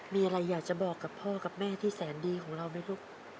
มีอะไรอยากจะบอกกับพ่อกับแม่ที่แสนดีของเราไหมลูก